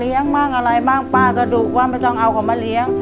เลี้ยงมากอะไรบ้างป้ากระดูกว่าไม่ต้องเอาเขามาเลี้ยง